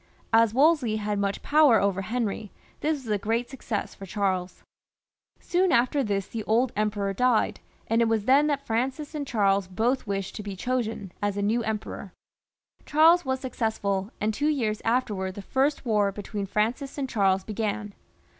As Wolsey had much power over Henry, this was a great success for Charles. XXXV.] FRANCIS I.. 249 :,■,—^ I Soon after this tlie old Emperor died, and it was then that Francis and Charles both wished to be chosen as the new Emperor. Charles was successful, and two years afterwards the first war between Francis and Charles began.